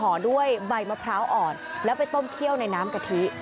ห่อด้วยใบมะพร้าวอ่อนแล้วไปต้มเคี่ยวในน้ำกะทิ